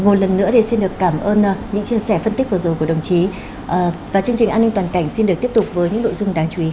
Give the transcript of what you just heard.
một lần nữa thì xin được cảm ơn những chia sẻ phân tích vừa rồi của đồng chí và chương trình an ninh toàn cảnh xin được tiếp tục với những nội dung đáng chú ý